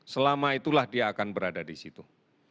selama itulah dia akan berada di situ